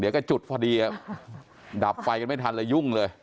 เดี๋ยวก็จุดพอดีดับไฟกันไม่ทันแล้วยุ่งเลย